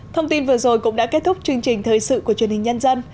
thông tin vừa rồi cũng đã kết thúc chương trình thời sự của truyền hình nhân dân